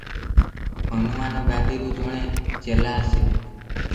ହନୁମାନ ଗାଦିରୁ ଜଣେ ଚେଲା ଆସିଲେ ।